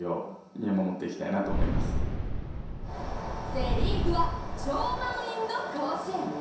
セ・リーグは超満員の甲子園。